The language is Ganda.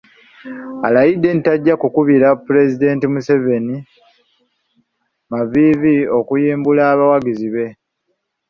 Alayidde nti tajja kukubira Pulezidenti Yoweri Museveni maviivi okuyimbula abawagizi be.